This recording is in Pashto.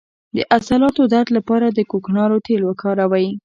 د عضلاتو درد لپاره د کوکنارو تېل وکاروئ